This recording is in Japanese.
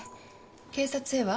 警察へは？